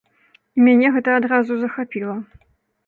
І мяне гэта адразу захапіла.